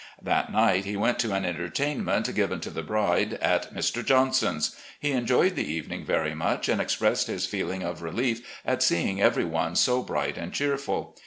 That night he went to an entertainment given to the bride at Mr. Johnson's. He enjoyed the evening very much and expressed his feeling of relief at seeing every one so bright and cheerful.